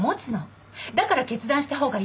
だから決断した方がいいって。